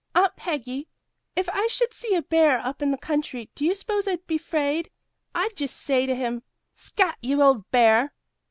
"Aunt Peggy, if I should see a bear up in the country, do you s'pose I'd be 'fraid? I'd jus' say to him, 'Scat, you old bear!'"